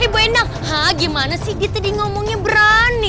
eh bu endang haa gimana sih dia tadi ngomongnya berani